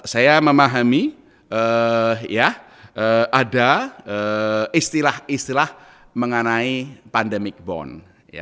saya memahami ada istilah istilah mengenai pandemic bond